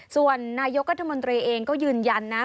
ส่วนนายกรัฐมนตรีเองก็ยืนยันนะ